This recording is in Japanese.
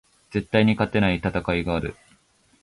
絶対に勝てない戦いがある